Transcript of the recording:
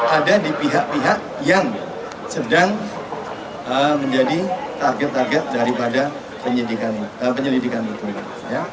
ada di pihak pihak yang sedang menjadi target target daripada penyelidikan